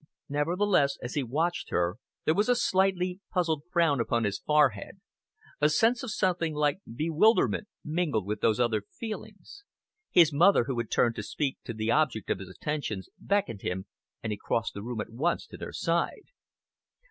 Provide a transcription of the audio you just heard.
Nevertheless, as he watched her, there was a slightly puzzled frown upon his forehead, a sense of something like bewilderment mingled with those other feelings. His mother, who had turned to speak to the object of his attentions, beckoned him, and he crossed the room at once to their side.